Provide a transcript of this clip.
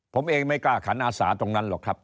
ผมเองไม่กล้าขันอาสาตรงนั้นหรอกครับ